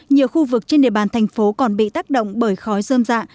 nhiều khu vực trên địa bàn thành phố còn bị tác động bởi khói sơm dạ